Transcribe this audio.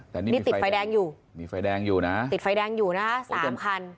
แต่นี่ติดไฟแดงอยู่มีไฟแดงอยู่นะติดไฟแดงอยู่นะฮะสามคัน